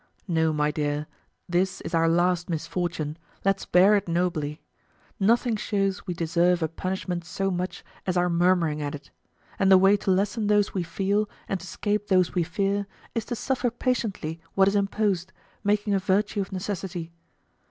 No, my dear, this is our last misfortune, let's bear it nobly. Nothing shows we deserve a punishment so much as our murmuring at it; and the way to lessen those we feel, and to 'scape those we fear, is to suffer patiently what is imposed, making a virtue of necessity.